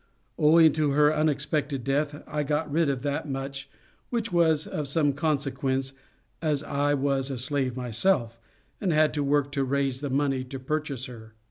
Owing to her unexpected death, I got rid of that much, which was of some consequence, as I was a slave myself, and had hard work to raise the money to purchase her."